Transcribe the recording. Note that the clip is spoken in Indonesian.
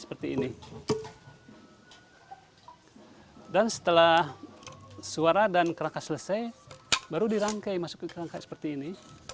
seperti ini dan setelah suara dan kerangka selesai baru dirangkai masuk ke kerangka seperti ini